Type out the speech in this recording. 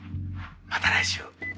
また来週。